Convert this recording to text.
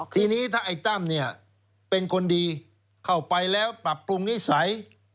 ทีนี้ถ้าไอ้ตั้มเป็นคนดีเข้าไปแล้วปรับปรุงนิสัย